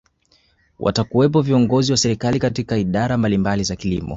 watakuwepo viongozi wa serikali kutoka idara mbalimbali za kilimo